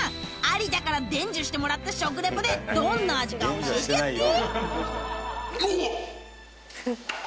有田から伝授してもらった食リポでどんな味か教えてやって！